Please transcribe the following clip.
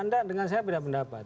anda dengan saya beda pendapat